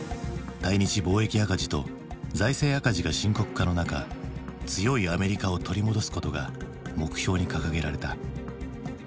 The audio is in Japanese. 対日貿易赤字と財政赤字が深刻化の中強いアメリカを取り戻すことが目標に掲げられた。